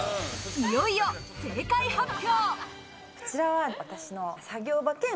いよいよ正解発表！